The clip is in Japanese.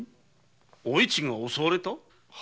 おいちが襲われた。